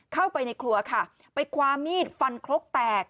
เข้าไปในครัวค่ะไปคว้ามีดฟันครกแตก